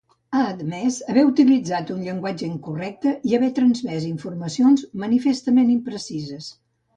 Ha admès haver utilitzat ‘un llenguatge incorrecte i haver transmès informacions manifestament imprecises’.